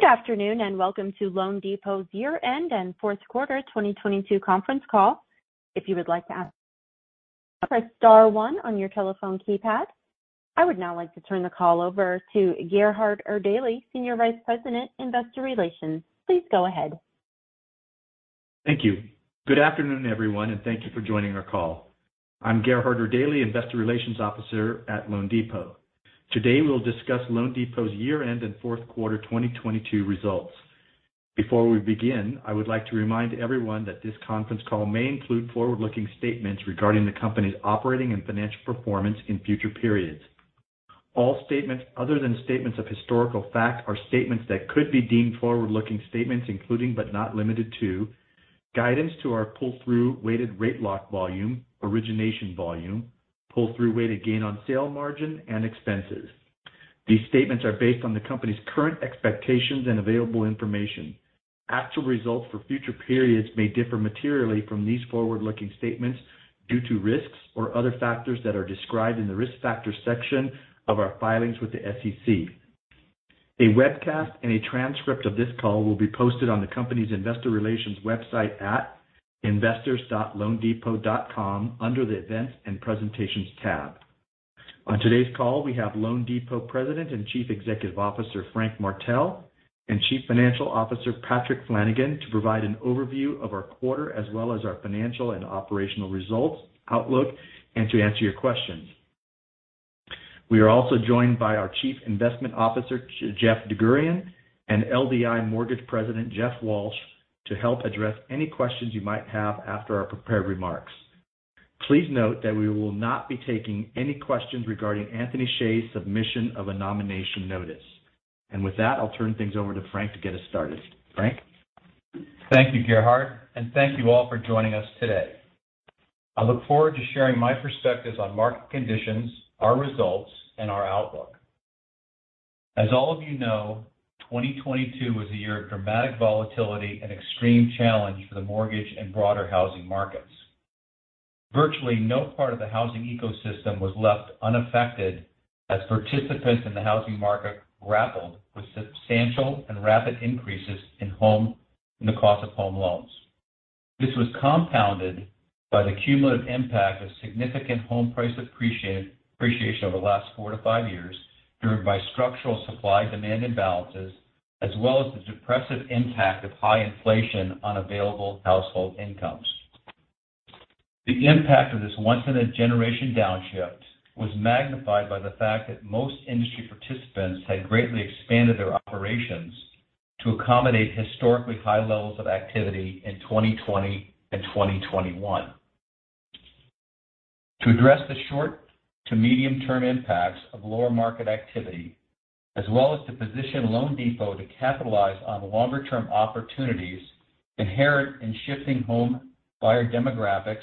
Good afternoon, and welcome to loanDepot's year-end and Fourth Quarter 2022 Conference Call. If you would like to ask, press star one on your telephone keypad. I would now like to turn the call over to Gerhard Erdelji, Senior Vice President, Investor Relations. Please go ahead. Thank you. Good afternoon, everyone, and thank you for joining our call. I'm Gerhard Erdelji, Investor Relations Officer at loanDepot. Today, we'll discuss loanDepot's year-end and fourth quarter 2022 results. Before we begin, I would like to remind everyone that this conference call may include forward-looking statements regarding the company's operating and financial performance in future periods. All statements other than statements of historical fact are statements that could be deemed forward-looking statements, including, but not limited to, guidance to our pull-through weighted rate lock volume, origination volume, pull-through weighted gain on sale margin, and expenses. These statements are based on the company's current expectations and available information. Actual results for future periods may differ materially from these forward-looking statements due to risks or other factors that are described in the Risk Factors section of our filings with the SEC. A webcast and a transcript of this call will be posted on the company's investor relations website at investors.loandepot.com under the Events and Presentations tab. On today's call, we have loanDepot President and Chief Executive Officer, Frank Martell, and Chief Financial Officer, Patrick Flanagan, to provide an overview of our quarter as well as our financial and operational results, outlook, and to answer your questions. We are also joined by our Chief Investment Officer, Jeff DerGurahian, and LDI Mortgage President, Jeff Walsh, to help address any questions you might have after our prepared remarks. Please note that we will not be taking any questions regarding Anthony Hsieh's submission of a nomination notice. With that, I'll turn things over to Frank to get us started. Frank? Thank you, Gerhard. Thank you all for joining us today. I look forward to sharing my perspectives on market conditions, our results, and our outlook. As all of you know, 2022 was a year of dramatic volatility and extreme challenge for the mortgage and broader housing markets. Virtually no part of the housing ecosystem was left unaffected as participants in the housing market grappled with substantial and rapid increases in home and the cost of home loans. This was compounded by the cumulative impact of significant home price appreciation over the last four to five years, driven by structural supply-demand imbalances, as well as the depressive impact of high inflation on available household incomes. The impact of this once-in-a-generation downshift was magnified by the fact that most industry participants had greatly expanded their operations to accommodate historically high levels of activity in 2020 and 2021. To address the short to medium-term impacts of lower market activity, as well as to position loanDepot to capitalize on longer-term opportunities inherent in shifting home buyer demographics,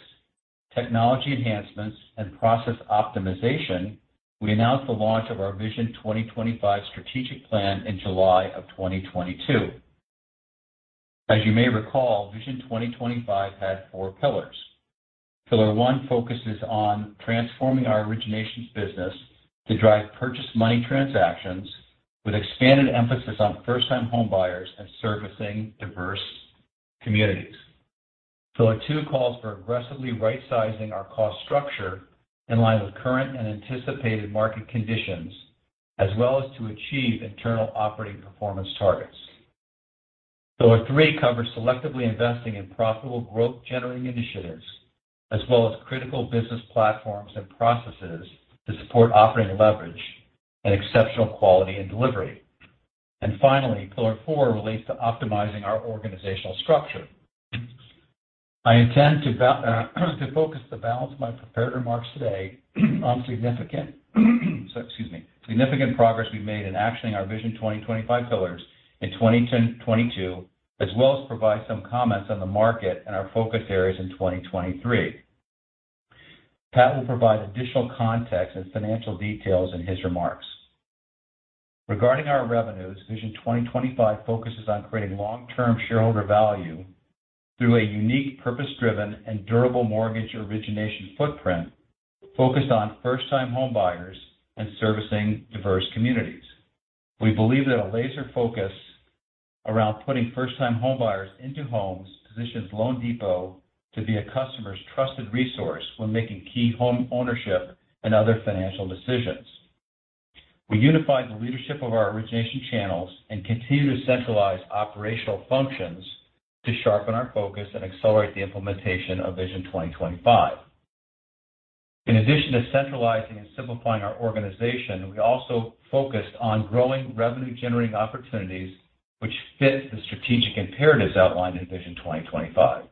technology enhancements, and process optimization, we announced the launch of our Vision 2025 strategic plan in July of 2022. As you may recall, Vision 2025 had four pillars. Pillar one focuses on transforming our originations business to drive purchase money transactions with expanded emphasis on first-time home buyers and servicing diverse communities. Pillar two calls for aggressively rightsizing our cost structure in line with current and anticipated market conditions, as well as to achieve internal operating performance targets. Pillar three covers selectively investing in profitable growth-generating initiatives as well as critical business platforms and processes to support operating leverage and exceptional quality and delivery. Finally, pillar four relates to optimizing our organizational structure. I intend to focus the balance of my prepared remarks today on significant sorry, excuse me, significant progress we've made in actioning our Vision 2025 pillars in 2022, as well as provide some comments on the market and our focus areas in 2023. Pat will provide additional context and financial details in his remarks. Regarding our revenues, Vision 2025 focuses on creating long-term shareholder value through a unique purpose-driven and durable mortgage origination footprint focused on first-time home buyers and servicing diverse communities. We believe that a laser focus around putting first-time home buyers into homes positions loanDepot to be a customer's trusted resource when making key homeownership and other financial decisions. We unified the leadership of our origination channels and continue to centralize operational functions to sharpen our focus and accelerate the implementation of Vision 2025. In addition to centralizing and simplifying our organization, we also focused on growing revenue-generating opportunities which fit the strategic imperatives outlined in Vision 2025.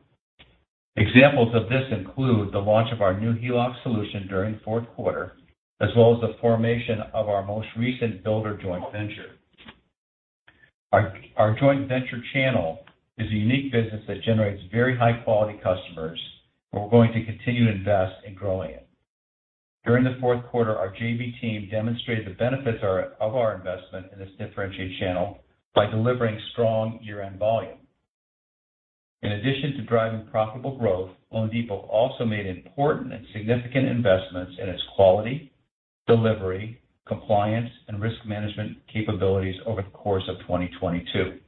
Examples of this include the launch of our new HELOC solution during fourth quarter, as well as the formation of our most recent builder joint venture. Our joint venture channel is a unique business that generates very high-quality customers, and we're going to continue to invest in growing it. During the fourth quarter, our JV team demonstrated the benefits of our investment in this differentiated channel by delivering strong year-end volume. In addition to driving profitable growth, loanDepot also made important and significant investments in its quality, delivery, compliance, and risk management capabilities over the course of 2022.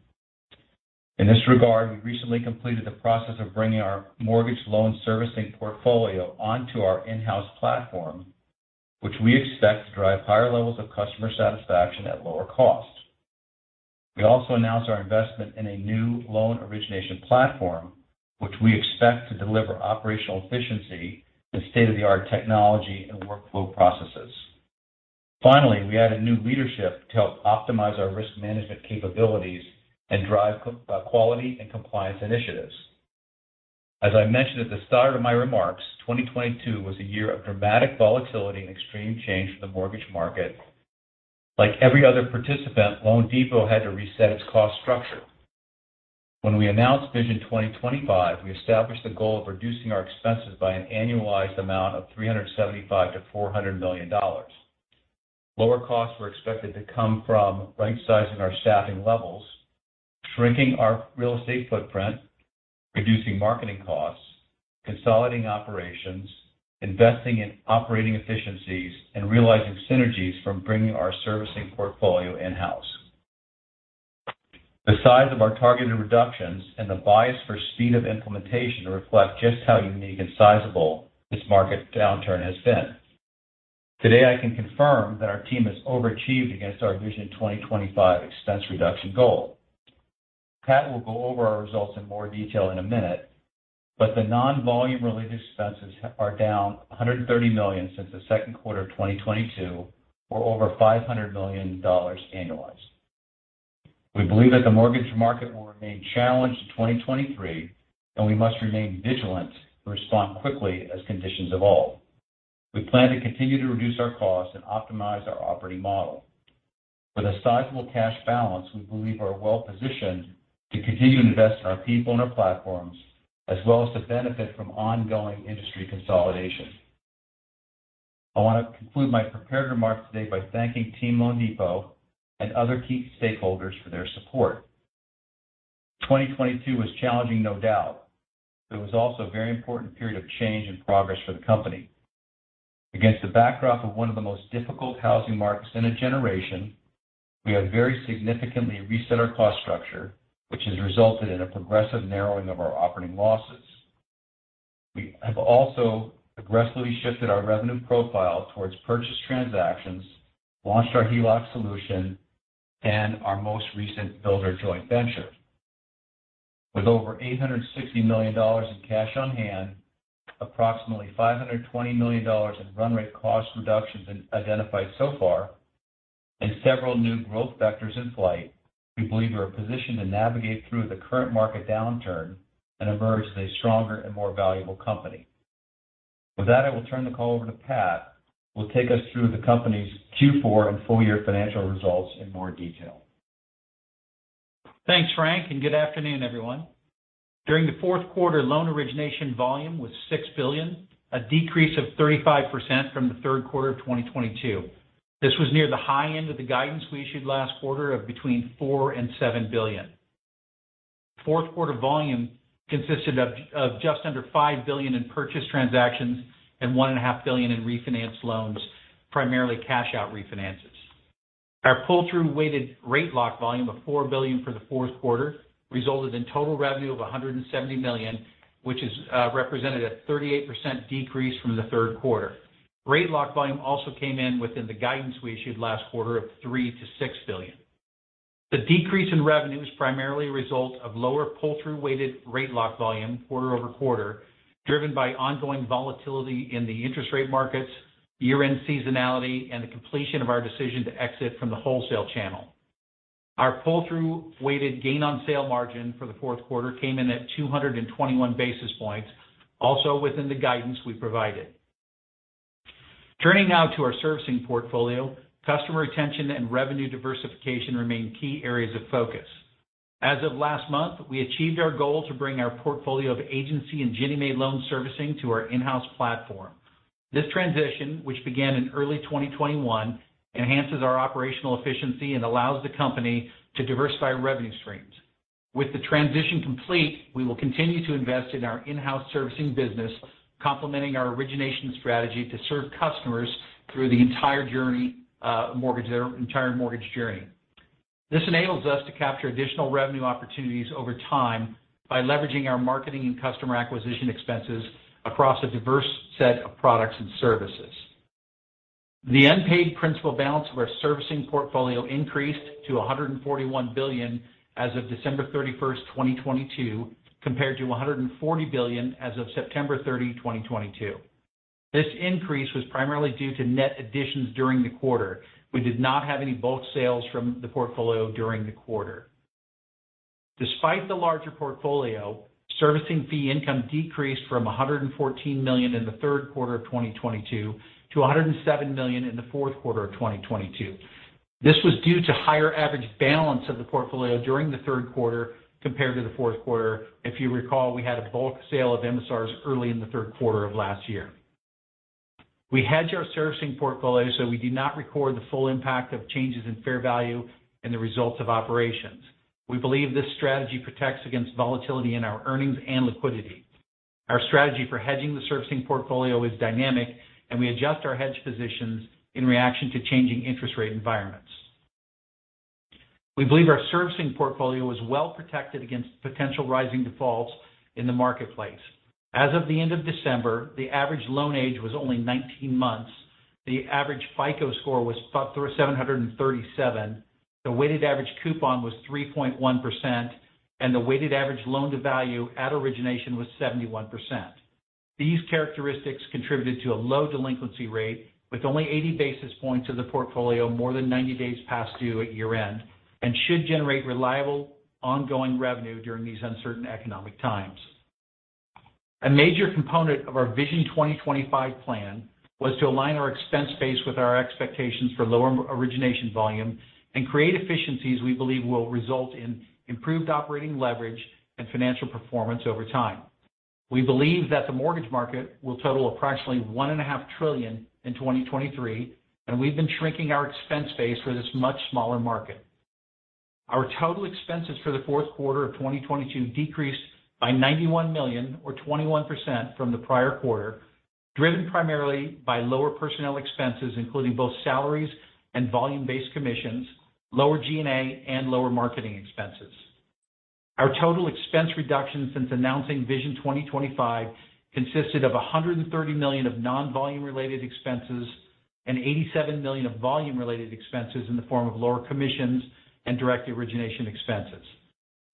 In this regard, we recently completed the process of bringing our mortgage loan servicing portfolio onto our in-house platform, which we expect to drive higher levels of customer satisfaction at lower cost. We also announced our investment in a new loan origination platform, which we expect to deliver operational efficiency and state-of-the-art technology and workflow processes. Finally, we added new leadership to help optimize our risk management capabilities and drive quality and compliance initiatives. As I mentioned at the start of my remarks, 2022 was a year of dramatic volatility and extreme change for the mortgage market. Like every other participant, loanDepot had to reset its cost structure. When we announced Vision 2025, we established the goal of reducing our expenses by an annualized amount of $375 million-$400 million. Lower costs were expected to come from right-sizing our staffing levels, shrinking our real estate footprint, reducing marketing costs, consolidating operations, investing in operating efficiencies, and realizing synergies from bringing our servicing portfolio in-house. The size of our targeted reductions and the bias for speed of implementation reflect just how unique and sizable this market downturn has been. Today, I can confirm that our team has overachieved against our Vision 2025 expense reduction goal. Pat will go over our results in more detail in a minute, but the non-volume related expenses are down $130 million since the second quarter of 2022, or over $500 million annualized. We believe that the mortgage market will remain challenged in 2023. We must remain vigilant to respond quickly as conditions evolve. We plan to continue to reduce our costs and optimize our operating model. With a sizable cash balance, we believe we are well-positioned to continue to invest in our people and our platforms, as well as to benefit from ongoing industry consolidation. I want to conclude my prepared remarks today by thanking team loanDepot and other key stakeholders for their support. 2022 was challenging, no doubt, but it was also a very important period of change and progress for the company. Against the backdrop of one of the most difficult housing markets in a generation, we have very significantly reset our cost structure, which has resulted in a progressive narrowing of our operating losses. We have also aggressively shifted our revenue profile towards purchase transactions, launched our HELOC solution and our most recent builder joint venture. With over $860 million in cash on hand, approximately $520 million in run rate cost reductions identified so far, and several new growth vectors in flight, we believe we are positioned to navigate through the current market downturn and emerge as a stronger and more valuable company. With that, I will turn the call over to Pat, who will take us through the company's Q4 and full year financial results in more detail. Thanks, Frank, and good afternoon, everyone. During the fourth quarter, loan origination volume was $6 billion, a decrease of 35% from the third quarter of 2022. This was near the high end of the guidance we issued last quarter of between $4 billion-$7 billion. Fourth quarter volume consisted of just under $5 billion in purchase transactions and one and a half billion in refinance loans, primarily cash-out refinances. Our pull-through weighted rate lock volume of $4 billion for the fourth quarter resulted in total revenue of $170 million, which represented a 38% decrease from the third quarter. Rate lock volume also came in within the guidance we issued last quarter of $3 billion-$6 billion. The decrease in revenue is primarily a result of lower pull-through weighted rate lock volume quarter-over-quarter, driven by ongoing volatility in the interest rate markets, year-end seasonality, and the completion of our decision to exit from the wholesale channel. Our pull-through weighted gain on sale margin for the fourth quarter came in at 221 basis points, also within the guidance we provided. Turning now to our servicing portfolio, customer retention and revenue diversification remain key areas of focus. As of last month, we achieved our goal to bring our portfolio of agency and Ginnie Mae loan servicing to our in-house platform. This transition, which began in early 2021, enhances our operational efficiency and allows the company to diversify revenue streams. With the transition complete, we will continue to invest in our in-house servicing business, complementing our origination strategy to serve customers through the entire journey, their entire mortgage journey. This enables us to capture additional revenue opportunities over time by leveraging our marketing and customer acquisition expenses across a diverse set of products and services. The unpaid principal balance of our servicing portfolio increased to $141 billion as of December 31, 2022, compared to $140 billion as of September 30, 2022. This increase was primarily due to net additions during the quarter. We did not have any bulk sales from the portfolio during the quarter. Despite the larger portfolio, servicing fee income decreased from $114 million in the third quarter of 2022 to $107 million in the fourth quarter of 2022. This was due to higher average balance of the portfolio during the third quarter compared to the fourth quarter. If you recall, we had a bulk sale of MSRs early in the third quarter of last year. We hedge our servicing portfolio so we do not record the full impact of changes in fair value in the results of operations. We believe this strategy protects against volatility in our earnings and liquidity. Our strategy for hedging the servicing portfolio is dynamic, and we adjust our hedge positions in reaction to changing interest rate environments. We believe our servicing portfolio is well protected against potential rising defaults in the marketplace. As of the end of December, the average loan age was only 19 months. The average FICO score was about 737. The weighted average coupon was 3.1%, and the weighted average loan-to-value at origination was 71%. These characteristics contributed to a low delinquency rate, with only 80 basis points of the portfolio more than 90 days past due at year-end and should generate reliable, ongoing revenue during these uncertain economic times. A major component of our Vision 2025 plan was to align our expense base with our expectations for lower origination volume and create efficiencies we believe will result in improved operating leverage and financial performance over time. We believe that the mortgage market will total approximately $1.5 trillion in 2023, and we've been shrinking our expense base for this much smaller market. Our total expenses for the fourth quarter of 2022 decreased by $91 million or 21% from the prior quarter, driven primarily by lower personnel expenses, including both salaries and volume-based commissions, lower G&A, and lower marketing expenses. Our total expense reduction since announcing Vision 2025 consisted of $130 million of non-volume related expenses and $87 million of volume related expenses in the form of lower commissions and direct origination expenses.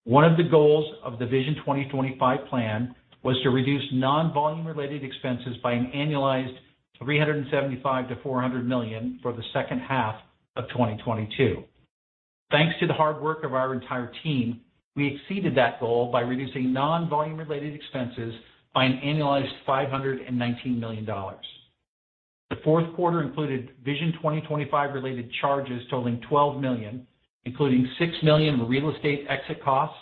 One of the goals of the Vision 2025 plan was to reduce non-volume related expenses by an annualized $375 million-$400 million for the second half of 2022. Thanks to the hard work of our entire team, we exceeded that goal by reducing non-volume related expenses by an annualized $519 million. The fourth quarter included Vision 2025 related charges totaling $12 million, including $6 million real estate exit costs,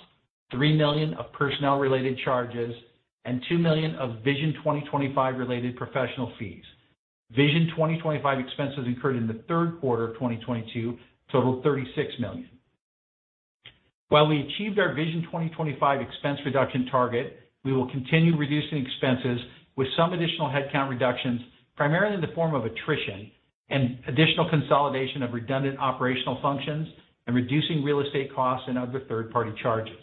$3 million of personnel related charges, and $2 million of Vision 2025 related professional fees. Vision 2025 expenses incurred in the third quarter of 2022 totaled $36 million. While we achieved our Vision 2025 expense reduction target, we will continue reducing expenses with some additional headcount reductions, primarily in the form of attrition and additional consolidation of redundant operational functions and reducing real estate costs and other third-party charges.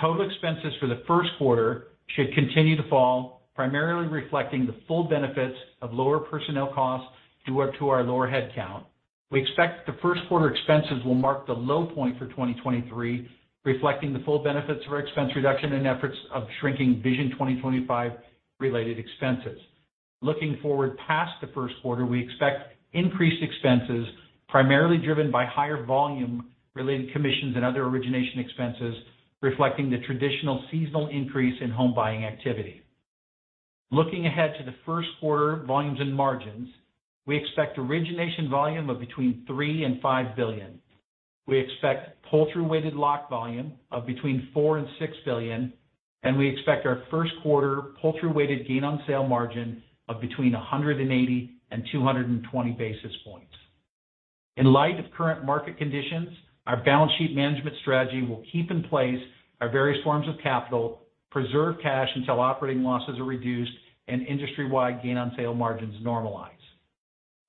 Total expenses for the first quarter should continue to fall, primarily reflecting the full benefits of lower personnel costs due up to our lower headcount. We expect the first quarter expenses will mark the low point for 2023, reflecting the full benefits of our expense reduction and efforts of shrinking Vision 2025 related expenses. Looking forward past the first quarter, we expect increased expenses primarily driven by higher volume related commissions and other origination expenses, reflecting the traditional seasonal increase in home buying activity. Looking ahead to the first quarter volumes and margins, we expect origination volume of between $3 billion and $5 billion. We expect pull-through weighted lock volume of between $4 billion and $6 billion. We expect our first quarter pull-through weighted gain on sale margin of between 180 and 220 basis points. In light of current market conditions, our balance sheet management strategy will keep in place our various forms of capital, preserve cash until operating losses are reduced and industry-wide gain on sale margins normalize.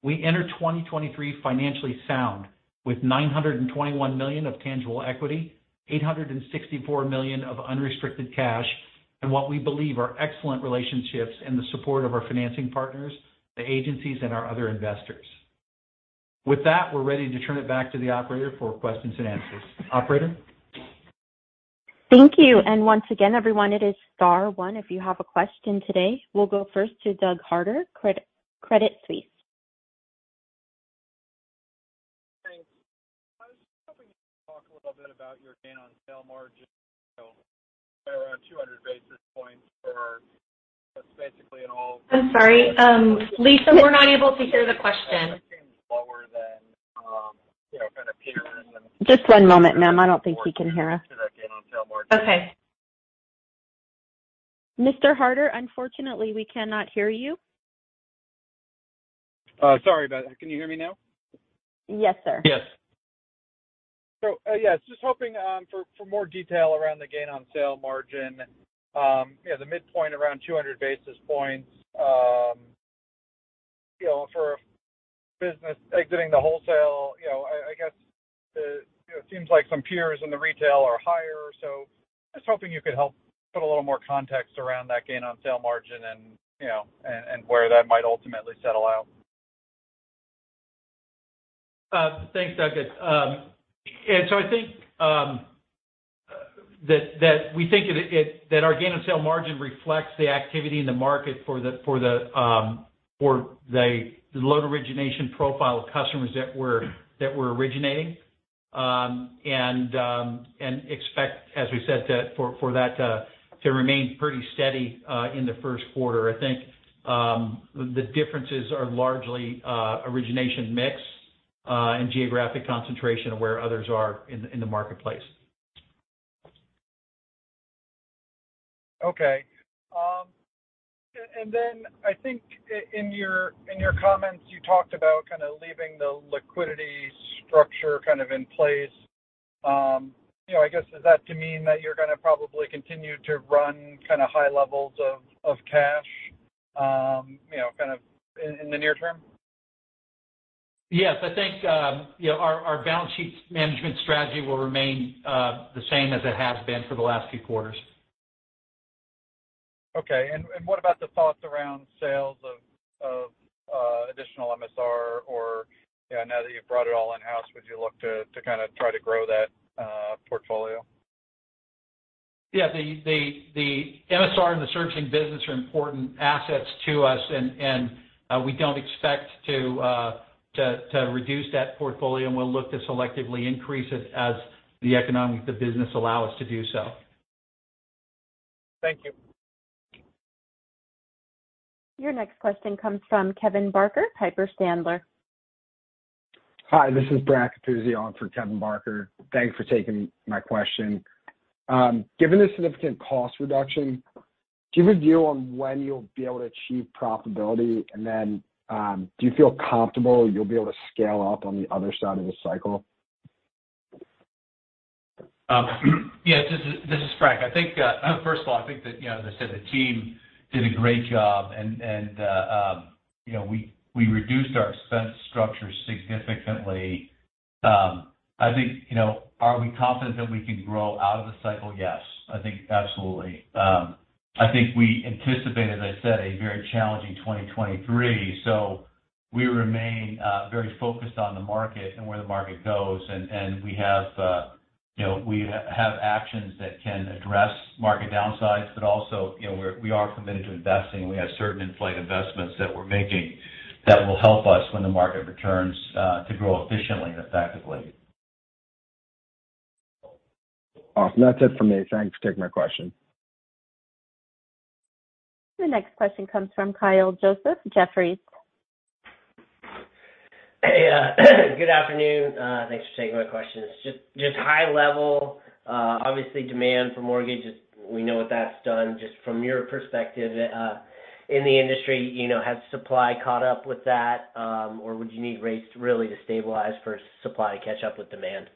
We enter 2023 financially sound with $921 million of tangible equity, $864 million of unrestricted cash, and what we believe are excellent relationships in the support of our financing partners, the agencies, and our other investors. With that, we're ready to turn it back to the operator for questions and answers. Operator? Thank you. Once again, everyone, it is star one if you have a question today. We'll go first to Doug Harter, Credit Suisse. Thanks. I was hoping you could talk a little bit about your gain on sale margin around 200 basis points for basically in all- I'm sorry. Lisa, we're not able to hear the question. Lower than, you know, kind of peers. Just one moment, ma'am. I don't think he can hear us. Gain on sale margin. Okay. Mr. Harter, unfortunately, we cannot hear you. Sorry about that. Can you hear me now? Yes, sir. Yes. Yes, just hoping for more detail around the gain on sale margin. You know, the midpoint around 200 basis points, you know, for business exiting the wholesale, you know, I guess, you know, it seems like some peers in the retail are higher. Just hoping you could help put a little more context around that gain on sale margin and, you know, and where that might ultimately settle out. Thanks, Doug. I think that we think that our gain on sale margin reflects the activity in the market for the loan origination profile of customers that we're originating. Expect, as we said, that for that to remain pretty steady in the first quarter. I think the differences are largely origination mix and geographic concentration of where others are in the marketplace. Okay. I think in your, in your comments you talked about kind of leaving the liquidity structure kind of in place. You know, I guess is that to mean that you're gonna probably continue to run kind of high levels of cash, you know, kind of in the near term? Yes. I think, you know, our balance sheet management strategy will remain the same as it has been for the last few quarters. Okay. What about the thoughts around sales of additional MSR or, you know, now that you've brought it all in-house, would you look to kind of try to grow that portfolio? The MSR and the servicing business are important assets to us and we don't expect to reduce that portfolio, and we'll look to selectively increase it as the economics of the business allow us to do so. Thank you. Your next question comes from Kevin Barker, Piper Sandler. Hi, this is Brad Capuzzi on for Kevin Barker. Thanks for taking my question. Given the significant cost reduction, do you have a view on when you'll be able to achieve profitability? Then, do you feel comfortable you'll be able to scale up on the other side of the cycle? Yeah. This is Frank. I think, first of all, I think that, you know, as I said, the team did a great job and, you know, we reduced our expense structure significantly. I think, you know, are we confident that we can grow out of the cycle? Yes. I think absolutely. I think we anticipate, as I said, a very challenging 2023, so we remain very focused on the market and where the market goes. We have, you know, we have actions that can address market downsides, but also, you know, we are committed to investing. We have certain in-flight investments that we're making that will help us when the market returns, to grow efficiently and effectively. Awesome. That's it for me. Thanks for taking my question. The next question comes from Kyle Joseph, Jefferies. Good afternoon. Thanks for taking my questions. Just high level, obviously demand for mortgages, we know what that's done. From your perspective, in the industry, you know, has supply caught up with that, or would you need rates really to stabilize for supply to catch up with demand?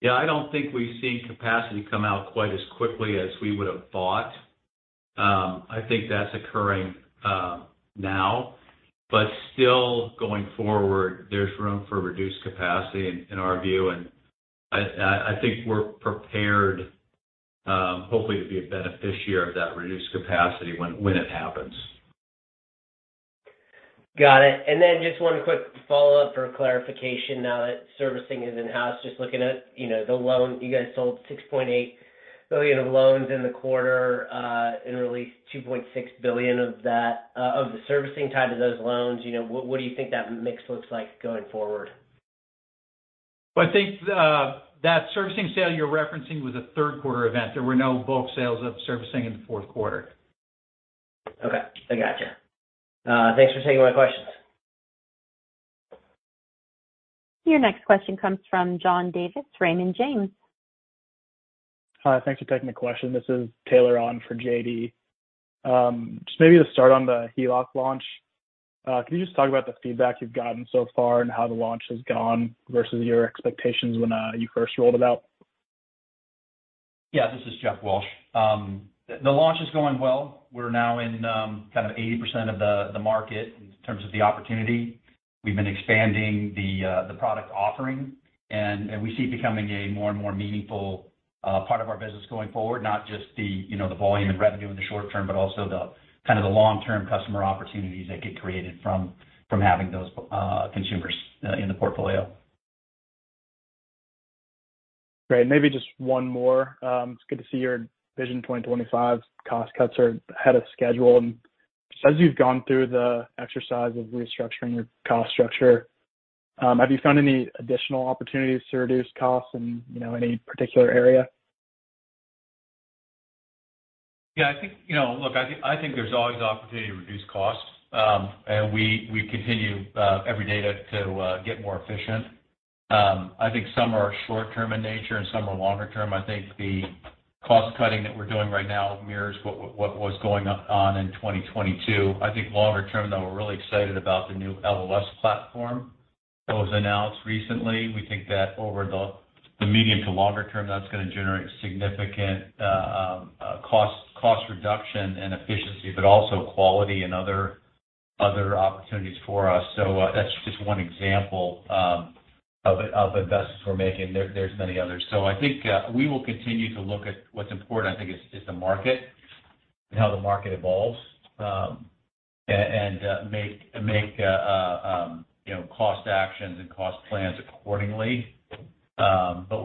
Yeah. I don't think we've seen capacity come out quite as quickly as we would've thought. I think that's occurring now. Still going forward, there's room for reduced capacity in our view. I think we're prepared, hopefully to be a beneficiary of that reduced capacity when it happens. Got it. Just one quick follow-up for clarification now that servicing is in-house. Just looking at, you know, the loan. You guys sold $6.8 billion of loans in the quarter, and released $2.6 billion of that, of the servicing tied to those loans. You know, what do you think that mix looks like going forward? I think that servicing sale you're referencing was a third quarter event. There were no bulk sales of servicing in the fourth quarter. Okay. I gotcha. thanks for taking my questions. Your next question comes from John Davis, Raymond James. Hi. Thanks for taking the question. This is Taylor on for JD. Just maybe to start on the HELOC launch, can you just talk about the feedback you've gotten so far and how the launch has gone versus your expectations when you first rolled it out? This is Jeff Walsh. The launch is going well. We're now in kind of 80% of the market in terms of the opportunity. We've been expanding the product offering and we see it becoming a more and more meaningful part of our business going forward, not just the, you know, the volume and revenue in the short term, but also the kind of the long-term customer opportunities that get created from having those, consumers, in the portfolio. Great. Maybe just one more. It's good to see your Vision 2025 cost cuts are ahead of schedule. As you've gone through the exercise of restructuring your cost structure, have you found any additional opportunities to reduce costs in, you know, any particular area? Yeah. I think, you know, look, I think there's always opportunity to reduce costs. And we continue every day to get more efficient. I think some are short term in nature and some are longer term. I think the cost-cutting that we're doing right now mirrors what was going on in 2022. I think longer term though, we're really excited about the new LOS platform that was announced recently. We think that over the medium to longer term, that's gonna generate significant cost reduction and efficiency, but also quality and other opportunities for us. That's just one example of investments we're making. There's many others. I think we will continue to look at what's important, I think is the market and how the market evolves. Make, you know, cost actions and cost plans accordingly.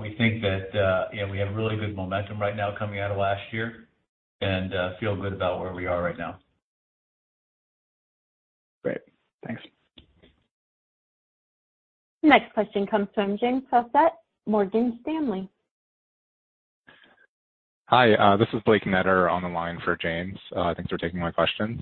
We think that, you know, we have really good momentum right now coming out of last year and feel good about where we are right now. Great. Thanks. Next question comes from James Faucette, Morgan Stanley. Hi, this is Blake Netter on the line for James. Thanks for taking my questions.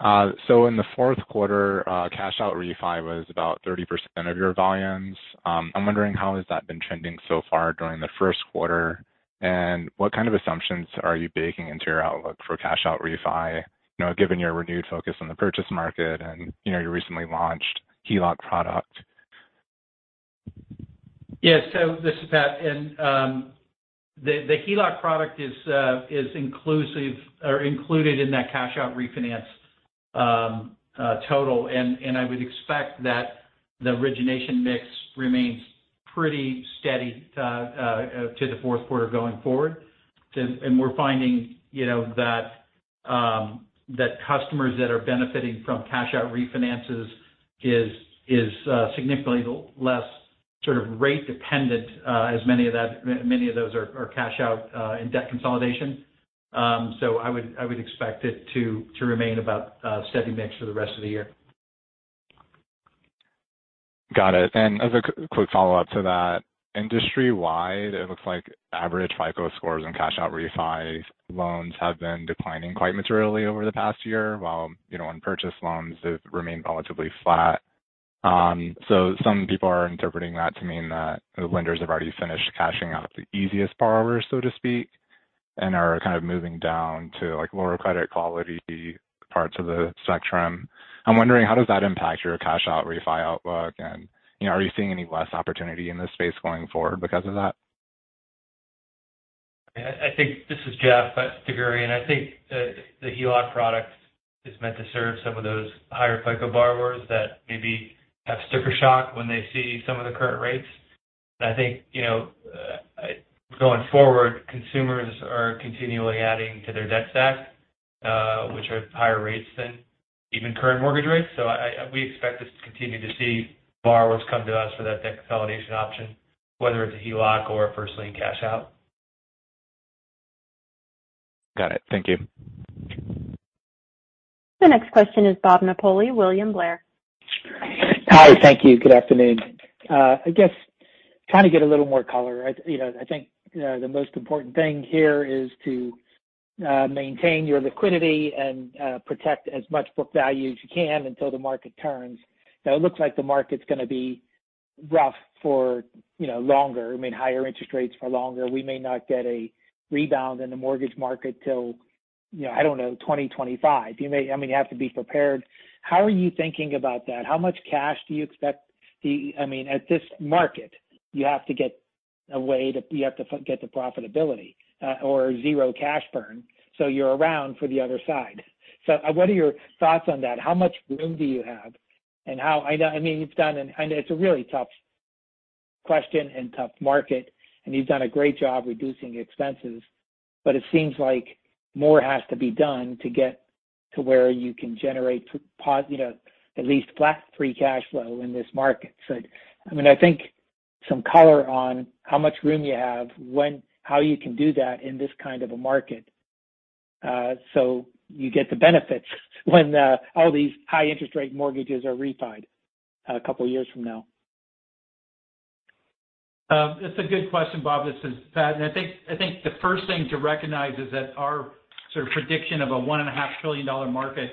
In the fourth quarter, cash out refi was about 30% of your volumes. I'm wondering how has that been trending so far during the first quarter, and what kind of assumptions are you baking into your outlook for cash out refi, you know, given your renewed focus on the purchase market and, you know, your recently launched HELOC product? Yes. This is Pat. The HELOC product is inclusive or included in that cash out refinance total. I would expect that the origination mix remains pretty steady to the fourth quarter going forward. We're finding, you know, that customers that are benefiting from cash out refinances is significantly less sort of rate dependent, as many of those are cash out in debt consolidation. I would expect it to remain about a steady mix for the rest of the year. Got it. As a quick follow-up to that. Industry-wide, it looks like average FICO scores and cash out refi loans have been declining quite materially over the past year while, you know, on purchase loans, they've remained relatively flat. Some people are interpreting that to mean that the lenders have already finished cashing out the easiest borrowers, so to speak, and are kind of moving down to, like, lower credit quality parts of the spectrum. I'm wondering how does that impact your cash out refi outlook and, you know, are you seeing any less opportunity in this space going forward because of that? This is Jeff DerGurahian. I think the HELOC product is meant to serve some of those higher FICO borrowers that maybe have sticker shock when they see some of the current rates. I think, you know, going forward, consumers are continually adding to their debt stack, which are higher rates than even current mortgage rates. We expect to continue to see borrowers come to us for that debt consolidation option, whether it's a HELOC or a first lien cash out. Got it. Thank you. The next question is Bob Napoli, William Blair. Hi. Thank you. Good afternoon. I guess trying to get a little more color. You know, I think, you know, the most important thing here is to maintain your liquidity and protect as much book value as you can until the market turns. It looks like the market's gonna be rough for, you know, longer. I mean, higher interest rates for longer. We may not get a rebound in the mortgage market till, you know, I don't know, 2025. I mean, you have to be prepared. How are you thinking about that? How much cash do you expect? I mean, at this market, you have to get to profitability or zero cash burn, so you're around for the other side. What are your thoughts on that? How much room do you have and how? I mean, I know it's a really tough question and tough market, and you've done a great job reducing expenses. It seems like more has to be done to get to where you can generate, you know, at least flat free cash flow in this market. I mean, I think some color on how much room you have, when how you can do that in this kind of a market, so you get the benefits when all these high interest rate mortgages are refied a couple years from now. That's a good question, Bob. This is Pat. I think the first thing to recognize is that our sort of prediction of a one and a half billion dollar market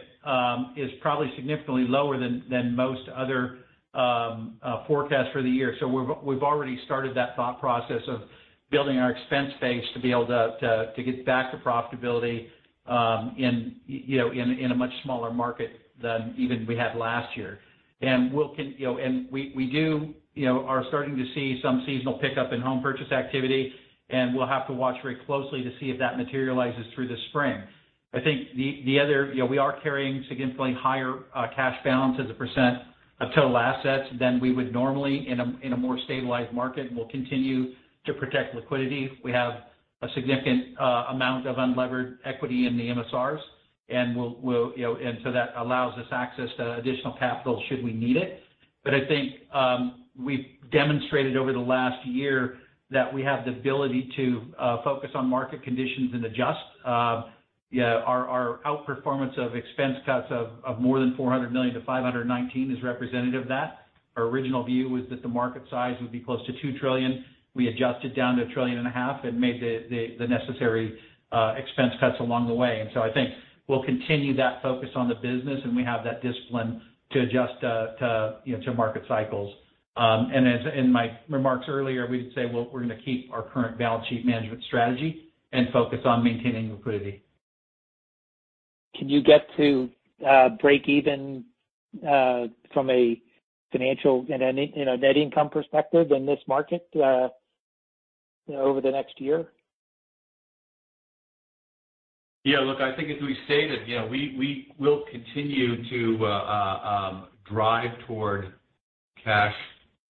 is probably significantly lower than most other forecasts for the year. We've already started that thought process of building our expense base to be able to get back to profitability in, you know, in a much smaller market than even we had last year. We'll, you know, and we do, you know, are starting to see some seasonal pickup in home purchase activity, and we'll have to watch very closely to see if that materializes through the spring. I think the other, you know, we are carrying significantly higher cash balance as a percent of total assets than we would normally in a more stabilized market. We'll continue to protect liquidity. We have a significant amount of unlevered equity in the MSRs, and we'll, you know, and so that allows us access to additional capital should we need it. I think we've demonstrated over the last year that we have the ability to focus on market conditions and adjust. Yeah, our outperformance of expense cuts of more than $400 million-$519 million is representative of that. Our original view was that the market size would be close to $2 trillion. We adjusted down to a trillion and a half and made the necessary expense cuts along the way. I think we'll continue that focus on the business, and we have that discipline to adjust to, you know, to market cycles. As in my remarks earlier, we'd say we're gonna keep our current balance sheet management strategy and focus on maintaining liquidity. Can you get to break even from a financial and any, you know, net income perspective in this market, you know, over the next year? Yeah. Look, I think as we stated, you know, we will continue to drive toward cash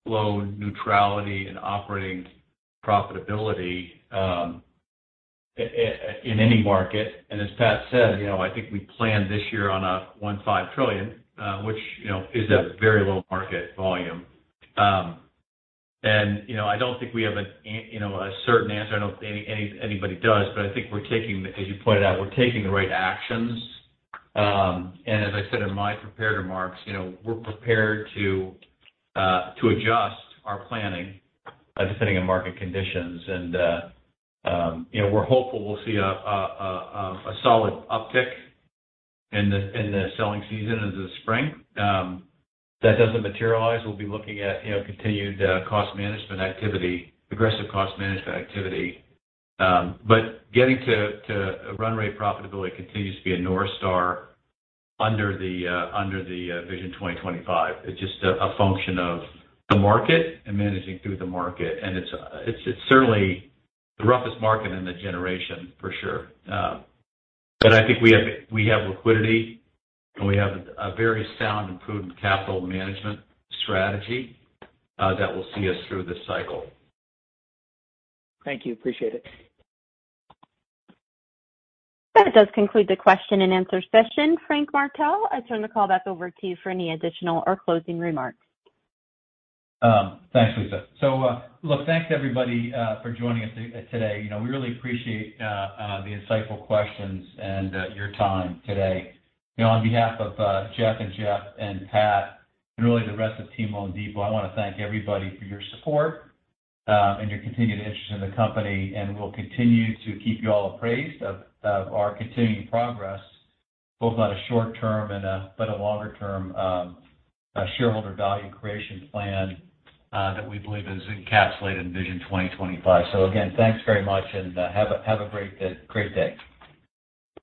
flow neutrality and operating profitability, in any market. As Pat said, you know, I think we plan this year on a $1.5 trillion, which, you know, is a very low market volume. You know, I don't think we have you know, a certain answer. I don't anybody does. I think we're taking, as you pointed out, we're taking the right actions. As I said in my prepared remarks, you know, we're prepared to adjust our planning, depending on market conditions. You know, we're hopeful we'll see a solid uptick in the selling season into the spring. If that doesn't materialize, we'll be looking at, you know, continued cost management activity, aggressive cost management activity. Getting to run rate profitability continues to be a North Star under the Vision 2025. It's just a function of the market and managing through the market. It's certainly the roughest market in a generation for sure. I think we have liquidity, and we have a very sound and prudent capital management strategy that will see us through this cycle. Thank you. Appreciate it. That does conclude the question and answer session. Frank Martell, I turn the call back over to you for any additional or closing remarks. Thanks, Lisa. Look, thanks everybody for joining us today. You know, we really appreciate the insightful questions and your time today. You know, on behalf of Jeff and Jeff and Pat, and really the rest of team loanDepot, I wanna thank everybody for your support and your continued interest in the company, and we'll continue to keep you all appraised of our continuing progress, both on a short term and but a longer term shareholder value creation plan that we believe is encapsulated in Vision 2025. Again, thanks very much and have a great day.